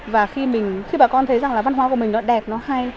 và khi bà con thấy rằng là văn hóa của mình nó đẹp nó hay